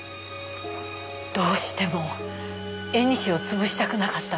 どうしても縁を潰したくなかったんです。